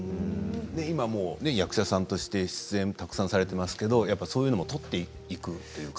今も役者さんとしてたくさん出演されていますけどそういうのもとっていくというか。